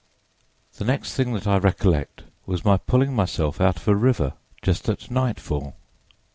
"The next thing that I recollect was my pulling myself out of a river just at nightfall.